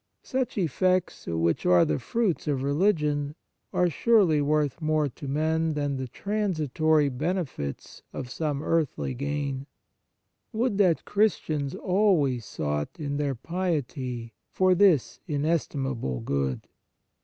Such effects, which are the fruits of religion, are surely worth more to men than the transitory benefit of some earthly gain. Would that Christians always sought in their piety for this inestimable good